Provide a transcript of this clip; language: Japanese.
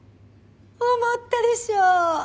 思ったでしょ？